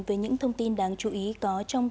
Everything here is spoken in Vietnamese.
với những thông tin đáng chú ý có trong